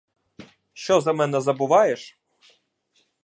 Що за мене забуваєш?